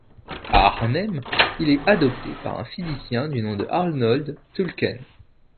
À Arnhem, il est adopté par un physicien du nom de Arnold Tulleken.